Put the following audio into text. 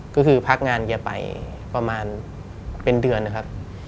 ก็คือพักงานแกไปประมาณเป็นเดือนนะครับ